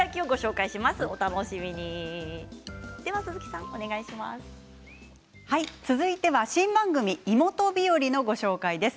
さすが続いては新番組「いもと日和」のご紹介です。